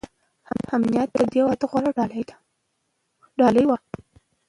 امنیت د دې ولایت غوره ډالۍ وي.